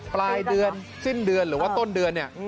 ปลายเดือนสิ้นเดือนหรือว่าต้นเดือนเนี่ย